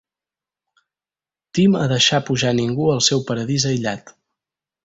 Tim a deixar pujar ningú al seu paradís aïllat.